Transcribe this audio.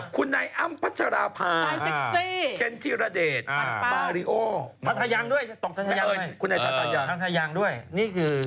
คุณไอ้ทะยังทะยังด้วยนี่คือ